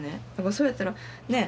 それやったらねえ？